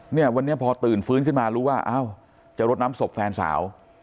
เนี่ยวันนี้พอตื่นฟื้นขึ้นมารู้ว่าอ้าวจะรดน้ำศพแฟนสาว